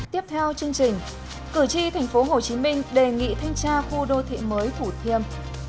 tiếp theo chương trình cử tri tp hcm đề nghị thanh tra khu đô thị mới thủ thiêm